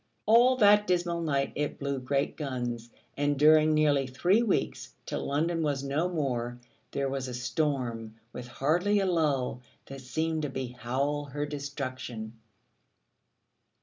All that dismal night it blew great guns: and during nearly three weeks, till London was no more, there was a storm, with hardly a lull, that seemed to behowl her destruction.